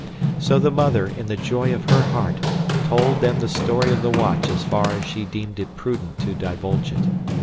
So the mother, in the joy of her heart, told them the story of the watch as far as she deemed it prudent to divulge it.